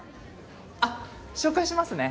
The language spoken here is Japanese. あっ紹介しますね